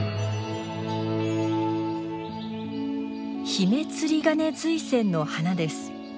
ヒメツリガネズイセンの花です。